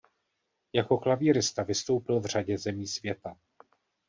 Jako klavírista vystoupil v řadě zemí světa.